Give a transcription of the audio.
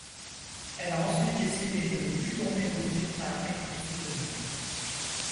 Elle a ensuite décidé de ne plus tourner de films à un rythme soutenu.